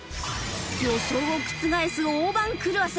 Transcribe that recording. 予想を覆す大番狂わせ。